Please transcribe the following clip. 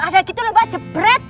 ada gitu mbak jebret